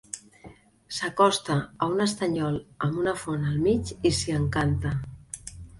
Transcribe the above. S'acosta a un estanyol amb una font al mig i s'hi encanta.